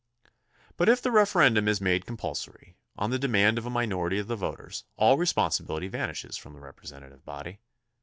But if the referendum is made compulsory, on the demand of a minority of the voters, all responsibility vanishes from the representative body.